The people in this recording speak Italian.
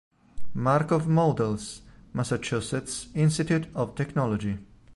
Markov Models", Massachusetts Institute of Technology.